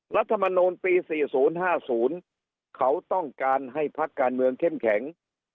รัฐมนูลปี๔๐๕๐เขาต้องการให้พักการเมืองเข้มแข็ง